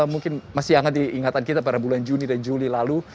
mungkin masih hangat diingatan kita pada bulan juni dan juli lalu